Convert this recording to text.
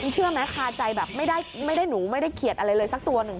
เชื่อไหมคาใจแบบไม่ได้หนูไม่ได้เขียดอะไรเลยสักตัวหนึ่ง